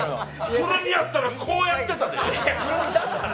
古着やったら、こうやってたで。